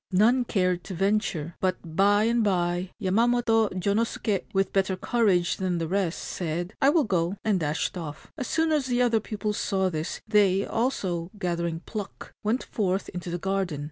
None cared to venture ; but by and by Yamamoto Jonosuke, with better courage than the rest, said, ' I will go/ and dashed off. As soon as the other pupils saw this, they also, gathering pluck, went forth into the garden.